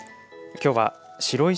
きょうは白石